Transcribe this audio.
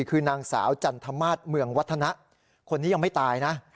คือนางสาวจันทมาสเมืองวัฒนะคนนี้ยังไม่ตายนะ